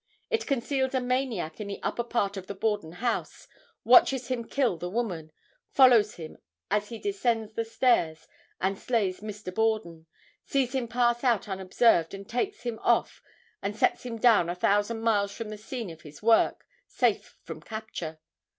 It conceals a maniac in the upper part of the Borden house, watches him kill the woman, follows him as he descends the stairs and slays Mr. Borden, sees him pass out unobserved and takes him off and sets him down a thousand miles from the scene of his work, safe from capture.